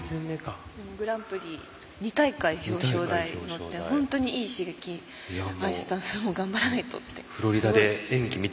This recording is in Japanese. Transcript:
グランプリ２大会表彰台で本当にいい刺激アイスダンスも頑張らないとって。